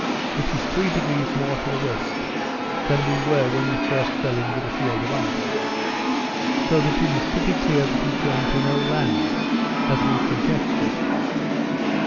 which is 3° more to the west than we were when we first fell in with the field of ice; so that it is pretty clear that it joined to no land, as we conjectured.